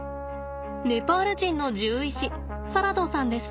ネパール人の獣医師サラドさんです。